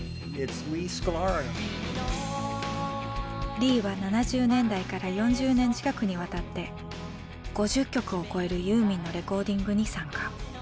リーは７０年代から４０年近くにわたって５０曲を超えるユーミンのレコーディングに参加。